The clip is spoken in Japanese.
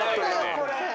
これ。